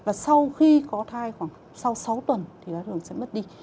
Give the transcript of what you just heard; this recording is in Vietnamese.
và sau khi có thai khoảng sau sáu tuần thì đái tháo đường sẽ mất đi